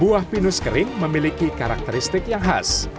buah pinus kering memiliki karakteristik yang khas